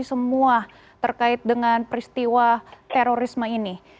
semua terkait dengan peristiwa terorisme ini